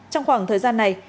trong khoảng thời gian này